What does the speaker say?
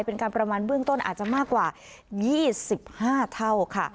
เป็นการประมาณเบื้องต้นอาจจะมากกว่า๒๕เท่าค่ะ